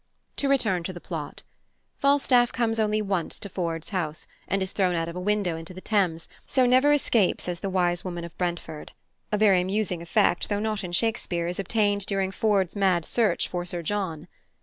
To return to the plot. Falstaff comes only once to Ford's house, and is thrown out of a window into the Thames, so never escapes as the wise woman of Brentford. A very amusing effect, though not in Shakespeare, is obtained during Ford's mad search for Sir John.